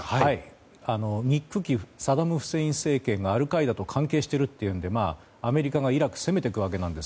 憎きサダム・フセイン政権がアルカイダと関係しているというのでアメリカがイラクを攻めていくわけなんです。